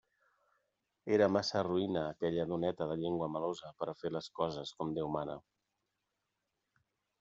Era massa roïna aquella doneta de llengua melosa per a fer les coses com Déu mana.